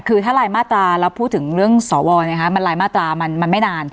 คือถ้ารายมาตราแล้วพูดถึงเรื่องสอวมันไม่นาน